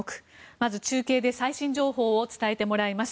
まず中継で最新情報を伝えてもらいます。